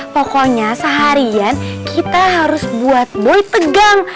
pokoknya seharian kita harus buat boy tegang